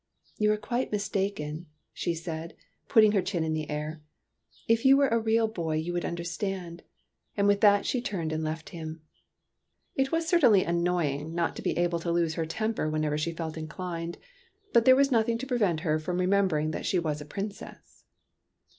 " You are quite mistaken," she said, putting her chin in the air. " If you were a real boy you would understand." And with that she turned and left him. It was certainly annoy ing not to be able to lose her temper whenever she felt inclined, but there was nothing to pre vent her from remembering that she was a princess.